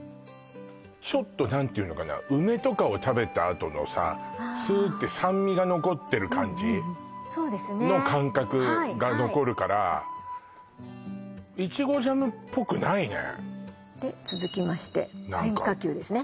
ちょっと何ていうのかな梅とかを食べたあとのさスーって酸味が残ってる感じそうですねの感覚が残るからイチゴジャムっぽくないねで続きまして変化球ですね